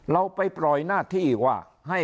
เราไปปล่อยหน้าที่ว่า